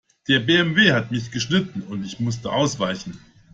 Der BMW hat mich geschnitten und ich musste ausweichen.